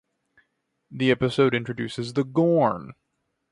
The episode introduces the Gorn.